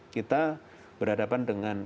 kita berhadapan dengan